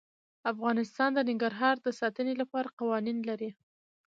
افغانستان د ننګرهار د ساتنې لپاره قوانین لري.